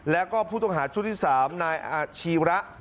แล้วก็ผู้ต้องหาชุดที่๓นายอาชีระ